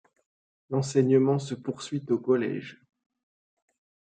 L'enseignement se poursuit au collège.